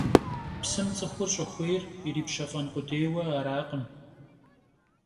Psım ts'ıxur ş'ıxuêyr yiripşef'en khudêyue arakhım.